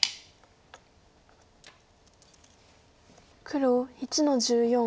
黒１の十四。